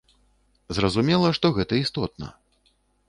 Зразумела, што гэта істотна.